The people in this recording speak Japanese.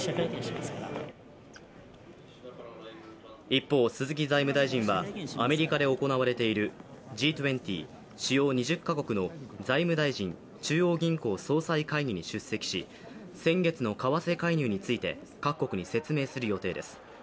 一方、鈴木財務大臣はアメリカで行われているＧ２０＝主要２０か国の財務大臣・中央銀行総裁会議に出席し、先月の為替介入について各国に説明する予定です。